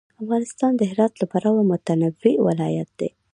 افغانستان د هرات له پلوه متنوع ولایت دی.